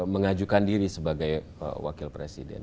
mengajukan diri sebagai wakil presiden